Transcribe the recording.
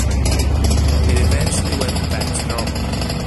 It eventually went back to normal.